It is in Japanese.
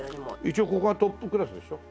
一応ここがトップクラスでしょ？